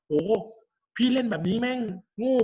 กับการสตรีมเมอร์หรือการทำอะไรอย่างเงี้ย